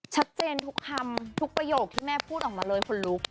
ชัดเจนทุกคำทุกประโยคที่แม่พูดออกมาเลยคนลุก